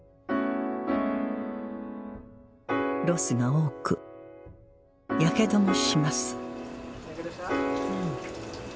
ロスが多くやけどもします